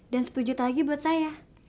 dan sepuluh juta lagi buat saya